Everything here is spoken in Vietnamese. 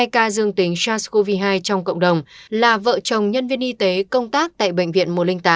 hai ca dương tính sars cov hai trong cộng đồng là vợ chồng nhân viên y tế công tác tại bệnh viện một trăm linh tám